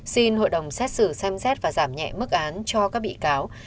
xin hội đồng xét xử xem xét và giảm nhẹ mức án cho các bị cáo